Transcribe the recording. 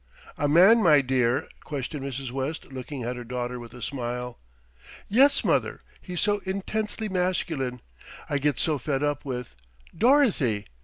"A man, my dear," questioned Mrs. West, looking at her daughter with a smile. "Yes, mother, he's so intensely masculine. I get so fed up with " "Dorothy!"